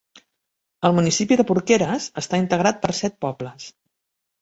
El municipi de Porqueres està integrat per set pobles.